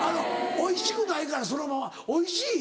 おいしくないからそのままおいしい？